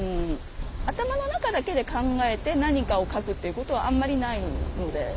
頭の中だけで考えて何かを書くっていうことはあんまりないので。